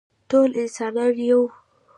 ټول انسانان یو